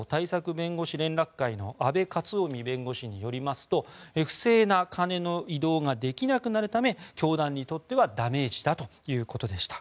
弁護士連絡会の阿部克臣弁護士によりますと不正なカネの移動ができなくなるため教団にとってはダメージだということでした。